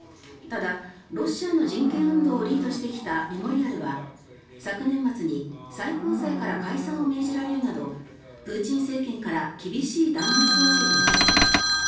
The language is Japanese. ただ、ロシアの人権運動をリードしてきたメモリアルは昨年末に最高裁から解散を命じられるなどプーチン政権から厳しい弾圧を受けています。